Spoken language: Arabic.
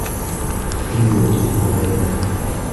هل يعجبك ذلك ؟